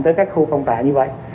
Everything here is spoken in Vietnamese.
tới các khu phong tỏa như vậy